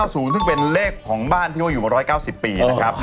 ซึ่งเป็นเลขของบ้านที่เขาอยู่มา๑๙๐ปีนะครับ